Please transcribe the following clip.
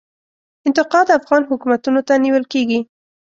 انتقاد افغان حکومتونو ته نیول کیږي.